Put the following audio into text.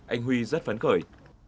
anh huy rất phấn khởi